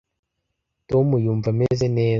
Tom yumva ameze neza